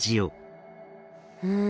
うん。